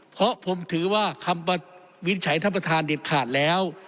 เพราะผมถือว่าคำวินิจฉัยท่านประธานเด็ดขาดแล้ว